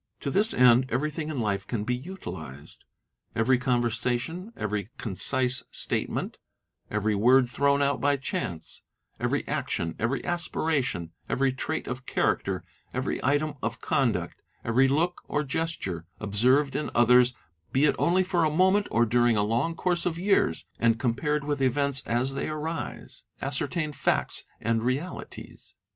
'To this end everything in hfe can be utilised — every conversa — tion, every concise statement, every word thrown out by chance, every action, every aspiration, every trait of character, every item of conduct, every look or gesture,—observed in others, be it only for a moment or during a long course of years, and compared with events as they arise, KNOWLEDGE OF MEN 33 ascertained facts, and realities.